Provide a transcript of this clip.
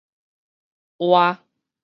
娃